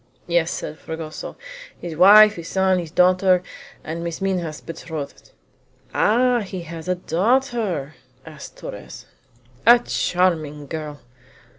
"Yes," said Fragoso; "his wife, his son, his daughter, and Miss Minha's betrothed." "Ah! he has a daughter?" said Torres. "A charming girl!"